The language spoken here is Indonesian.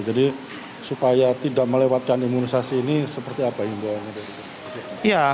jadi supaya tidak melewatkan imunisasi ini seperti apa himbauannya